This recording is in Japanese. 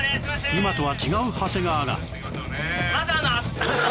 今とは違う長谷川が！